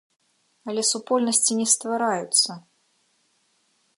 Але супольнасці не ствараюцца!